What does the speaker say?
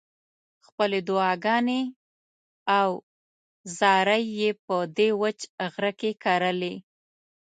خپلې دعاګانې او زارۍ یې په دې وچ غره کې کرلې.